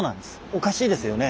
おかしいですよね。